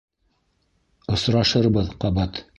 Осрашырбыҙ ҡабат...